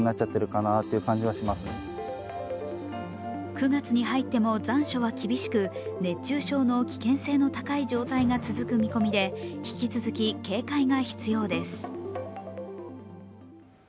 ９月に入っても残暑は厳しく、熱中症の危険性の高い状態が続く見込みで引き続き、警戒が必要です。